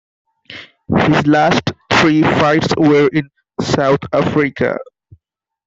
His last three fights were in South Africa.